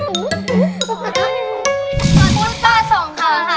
หมดอ้านวันเปิด๒ห้างค่ะ